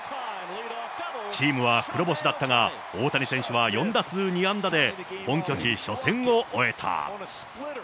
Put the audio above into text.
チームは黒星だったが、大谷選手は４打数２安打で、本拠地初戦を終えた。